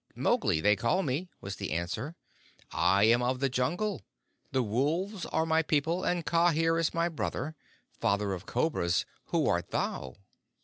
"Mowgli they call me," was the answer. "I am of the Jungle. The Wolves are my people, and Kaa here is my brother. Father of Cobras, who art thou?"